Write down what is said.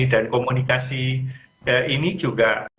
dan komunikasi ini juga